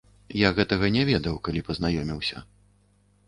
Я гэтага не ведаў, калі пазнаёміўся.